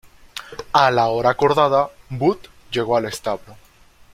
A la hora acordada, Booth llegó al establo.